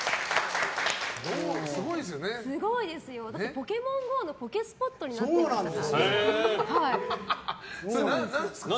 「ポケモンＧＯ」のポケスポットになってるんですから。